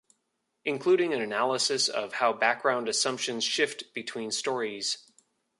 Including an analysis of how background assumptions shift between stories.